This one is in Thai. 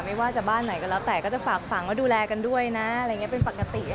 ไม่ว่าจะบ้านไหนก็แล้วแต่ก็จะฝากฝังว่าดูแลกันด้วยนะอะไรอย่างนี้เป็นปกติ